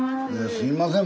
すいません